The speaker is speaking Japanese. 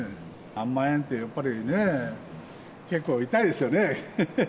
何万円ってやっぱりね、結構痛いですよね。